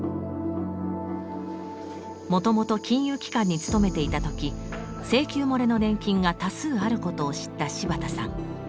もともと金融機関に勤めていた時請求もれの年金が多数あることを知った柴田さん。